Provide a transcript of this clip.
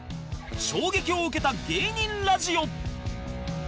衝撃を受けた芸人ラジオ